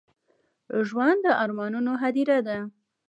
ژوند د ارمانونو هديره ده.